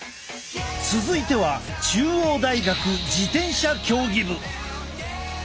続いては中央大学自転車競技部。